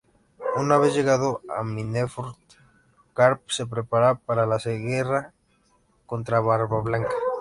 Una vez llegado a Marineford, Garp se prepara para la guerra contra Barbablanca.